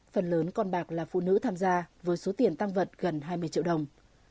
phần lớn con bạc là phụ nữ tham gia với số tiền tăng vật gần hai mươi triệu đồng